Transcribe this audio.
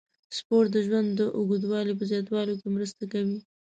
سپورت د ژوند د اوږدوالي په زیاتولو کې مرسته کوي.